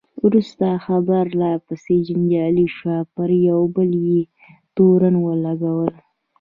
وروسته خبره لا پسې جنجالي شوه، پر یو بل یې تورونه ولګول.